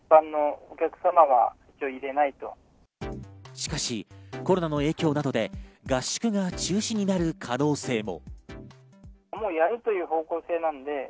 しかしコロナの影響などで合宿が中止になる可能性も。